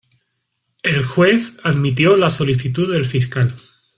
El juez admitió la solicitud del fiscal.